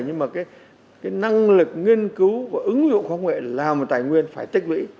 nhưng mà cái năng lực nghiên cứu và ứng dụng khoa học nghệ làm tài nguyên phải tích lũy